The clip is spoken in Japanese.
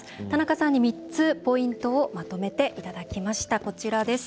田中さんに３つ、ポイントをまとめていただきました。